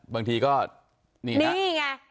บางทีก็นี่ไง